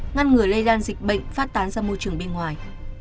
ngăn ngừa lây lan dịch bệnh phát tán ra môi trường bên ngoài